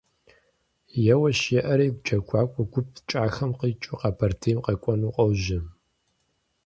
Еуэщ-еӀэри, джэгуакӀуэ гуп КӀахэм къикӀыу Къэбэрдейм къэкӀуэну къожьэ.